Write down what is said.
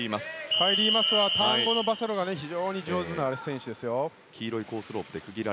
カイリー・マスはターン後のバサロが非常に上手な選手です。